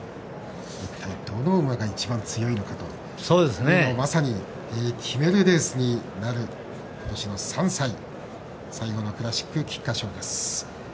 一体、どの馬が一番強いのかというのをまさに決めるレースになる今年の３歳最後のクラシック菊花賞です。